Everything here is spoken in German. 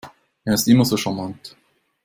Er ist immer so charmant.